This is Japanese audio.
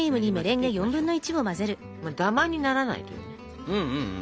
ダマにならないというか。